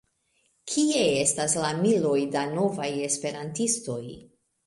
Kie estas la miloj da novaj esperantistoj?